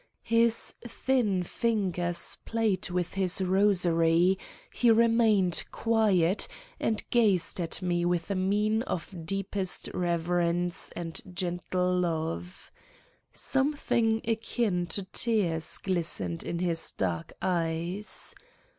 His thin fingers played with his rosary, he remained quiet and gazed at me with a mien of deepest reverence and gentle love: something akin to tears glistened in his dark eyes.